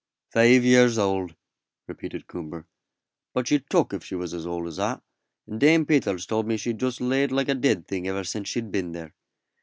"Five years old," repeated Coomber; "but she'd talk if she was as old as that, and Dame Peters told me she'd just laid like a dead thing ever since she'd been there."